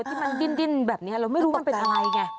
ที่มันดิ้นแบบนี้เราไม่รู้มันเป็นอะไรไง